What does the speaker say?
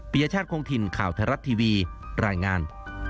ยชาติคงถิ่นข่าวไทยรัฐทีวีรายงาน